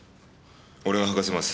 俺が吐かせます。